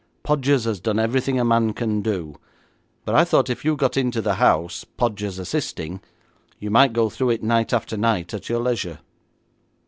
Podgers has done everything a man can do, but I thought if you got into the house, Podgers assisting, you might go through it night after night at your leisure.'